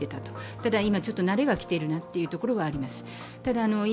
ただ今、ちょっと慣れがきてるなというところはあります。